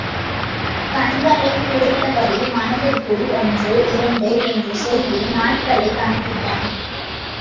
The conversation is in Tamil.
கண்களைத் துடைத்தபடி, மனத்திற்குள் ஒன்று... இரண்டு... என்று சொல்லி நாட்களைக் கணக்கிட்டான்.